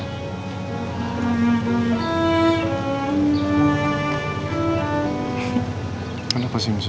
untuk menjaga kamu anak kita keluarga saya